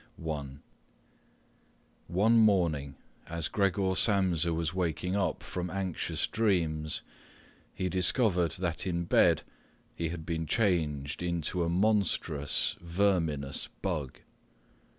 One morning, as Gregor Samsa was waking up from anxious dreams, he discovered that in bed he had been changed into a monstrous verminous bug.